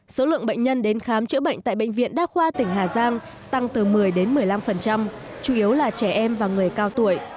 số lượng bệnh nhân đến khám chữa bệnh tại bệnh viện đa khoa tỉnh hà giang tăng từ một mươi đến một mươi năm chủ yếu là trẻ em và người cao tuổi